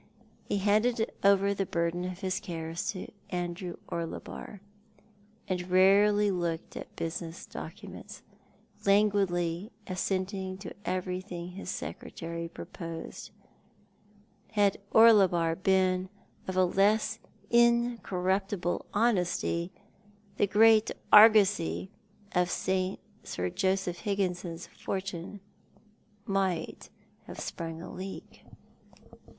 He handed over the burden of his cares to Andrew Orlebar, and rarely looked at a business document ; languidly assenting to everything his secretary proposed ; and had Orlebar been of a less incorruptible honesty, the great Argosy of Sir Joseph Higginson's fortune might have sprung a leak.